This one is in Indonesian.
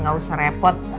gak usah repot